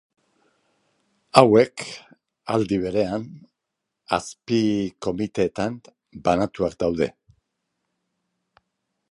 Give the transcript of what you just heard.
Hauek, aldi berean, azpi-komiteetan banatuak daude.